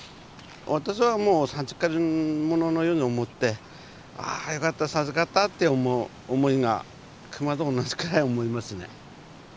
私はもう授かり物のように思ってあ良かった授かったっていう思いが熊と同じくらい思いますね。